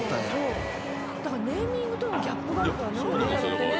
ネーミングとのギャップがあるから何でだろうってね。